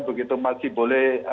begitu masih boleh